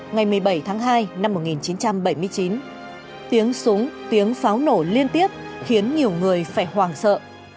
ngày một mươi bảy tháng hai năm một nghìn chín trăm bảy mươi chín tiếng súng tiếng pháo nổ liên tiếp khiến nhiều người phải hoàng sợ